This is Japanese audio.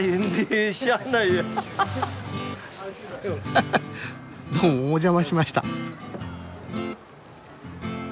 ハハッどうもお邪魔しました。